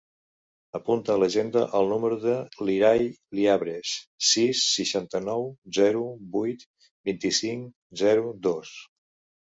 Apunta a l'agenda el número de l'Irai Llabres: sis, seixanta-nou, zero, vuit, vint-i-cinc, zero, dos.